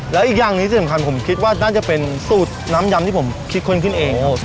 แล้วอีกอย่างหนึ่งที่สำคัญผมคิดว่าน่าจะเป็นสูตรน้ำยำที่ผมคิดค้นขึ้นเองครับผม